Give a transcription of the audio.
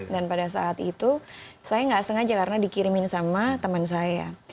dan pada saat itu saya tidak sengaja karena dikirimin sama teman saya